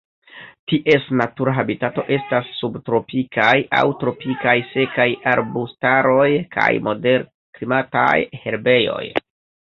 Ties natura habitato estas subtropikaj aŭ tropikaj sekaj arbustaroj kaj moderklimataj herbejoj.